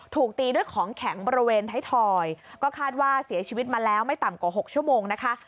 ถูกตีด้วยของแข็งบริเวณไทยทอยก็คาดว่าเสียชีวิตมาแล้วไม่ต่ำกว่า๖ชั่วโมงนะคะ